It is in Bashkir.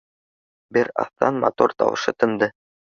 Бер аҙҙан мотор тауышы тынды